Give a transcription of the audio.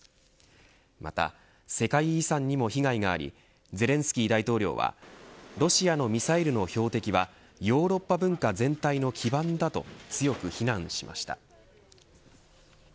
また、世界遺産にも被害がありゼレンスキー大統領はロシアのミサイルの標的はヨーロッパ文化全体の基盤だと強く非難しました。